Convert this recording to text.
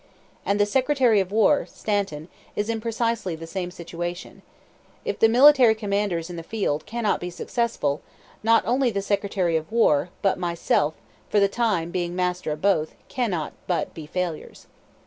And the secretary of war (Stanton) is in precisely the same situation. If the military commanders in the field cannot be successful, not only the secretary of war, but myself, for the time being master of both, cannot but be failures."